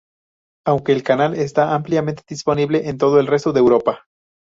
Aunque el canal está ampliamente disponible en todo el resto de Europa.